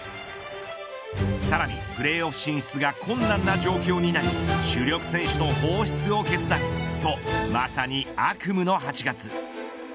さらに、プレーオフ進出が困難な状況になり主力選手の放出を決断と、まさに悪夢の８月。